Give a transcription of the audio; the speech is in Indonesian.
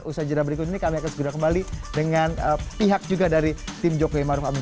usaha jenah berikut ini kami akan segera kembali dengan pihak juga dari tim jokowi maruf amin